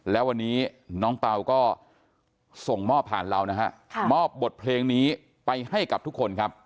แล้ววันนี้น้องเปล่าก็ส่งมอบผ่านเรานะฮะมอบบทเพลงนี้ไปให้กับทุกคนครับ